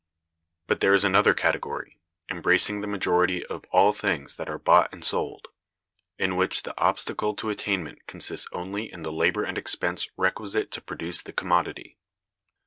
But there is another category (embracing the majority of all things that are bought and sold), in which the obstacle to attainment consists only in the labor and expense requisite to produce the commodity.